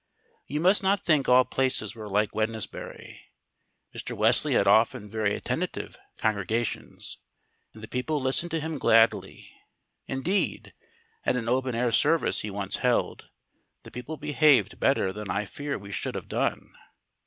You must not think all places were like Wednesbury. Mr. Wesley had often very attentive congregations, and the people listened to him gladly. Indeed, at an open air service he once held, the people behaved better than I fear we should have done.